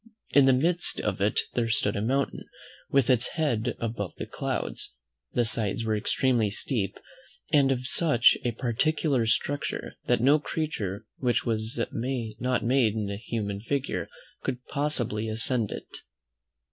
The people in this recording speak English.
In the midst of it there stood a mountain, with its head above the clouds. The sides were extremely steep, and of such a particular structure, that no creature which was not made in a human figure could possibly ascend it.